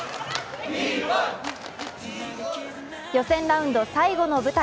予選ラウンド最後の舞台